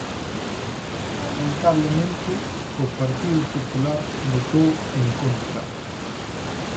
Lamentablemente, o Partido Popular votou en contra.